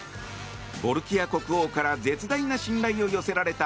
ボルキア国王から絶大な信頼を寄せられた